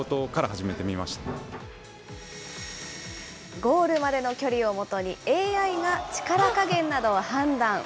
ゴールまでの距離をもとに、ＡＩが力加減などを判断。